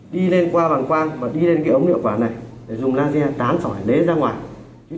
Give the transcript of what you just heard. đi lên qua bằng quang và đi lên cái ống niệu quản này để dùng laze tán sỏi lấy ra ngoài